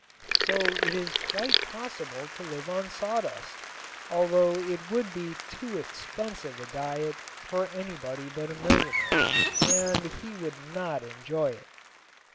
So it is quite possible to live on sawdust, although it would be too expensive a diet for anybody but a millionaire, and he would not enjoy it.